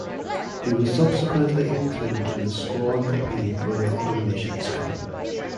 He was subsequently included in the squad competing for the Autumn Nations Cup.